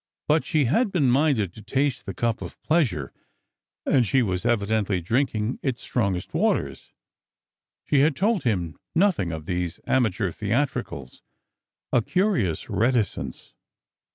But she had been minded to taste the cup of pleasure, and she was evidently drinking its strongest waters. She had told him nothing of these amateur theatricals — a curious reticence.